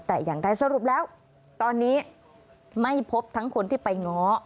แต่อย่างใดสรุปแล้วตอนนี้ไม่พบทั้งคนที่ไปง้อ